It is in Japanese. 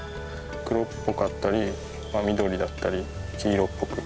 黒っぽかったり緑だったり黄色っぽく。